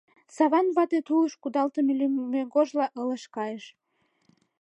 Саван вате тулыш кудалтыме лӱмегожла ылыж кайыш.